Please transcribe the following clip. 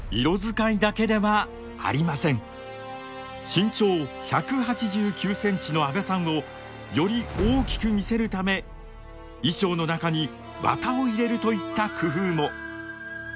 身長１８９センチの阿部さんをより大きく見せるため衣装の中に綿を入れるといった工夫も。